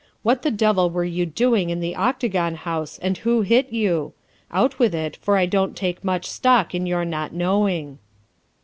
What the devil were you doing in the Octagon House and who hit you? Out with it, for I don't take much stock in your not knowing.